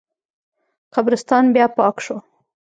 قبرستان بیا پاک شو.